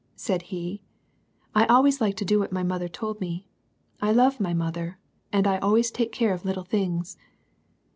'"— Said he, "I always like to do what my mother told me. I love my mother, and I always take care of little things."